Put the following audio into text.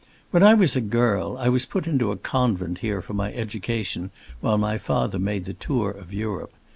When I was a girl I was put into a convent here for my education, while my father made the tour of Europe.